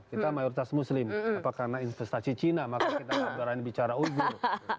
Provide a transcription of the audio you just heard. kita mayoritas muslim apa karena investasi china maka kita mengeluarkan bicara uyghur